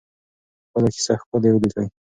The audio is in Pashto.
خپله کیسه ښکلې ولیکئ.